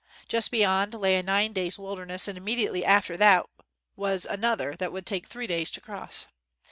Just beyond, lay a nine days ' wilderness and immediately after that was another that would take three days to cross.